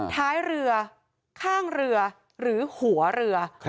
ท้ายเรือข้างเรือหรือหัวเรือ